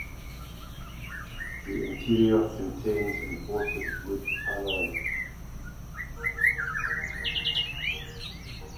The interior contains imported wood panelling.